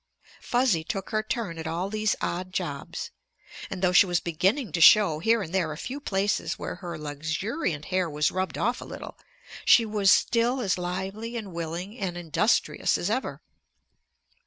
Fuzzy took her turn at all these odd jobs, and though she was beginning to show here and there a few places where her luxuriant hair was rubbed off a little, she was still as lively and willing and industrious as ever.